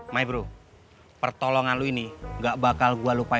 maibro pertolongan lo ini gak bakal gua lukis aja ya